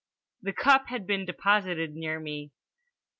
The cup had been deposited near me.